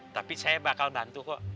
tapi saya bakal bantu kok